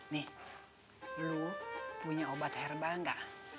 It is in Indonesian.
nih lo punya obat herbal gak